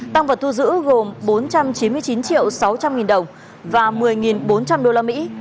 tăng vật thu giữ gồm bốn trăm chín mươi chín triệu sáu trăm linh nghìn đồng và một mươi bốn trăm linh đô la mỹ